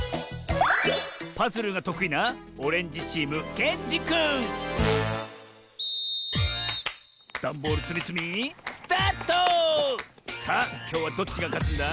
パズルがとくいなダンボールつみつみさあきょうはどっちがかつんだ？